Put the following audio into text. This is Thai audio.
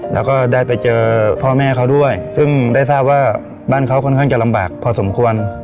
แล้วก็ได้ไปเจอพ่อแม่เขาด้วยซึ่งได้ทราบว่าบ้านเขาค่อนข้างจะลำบากพอสมควร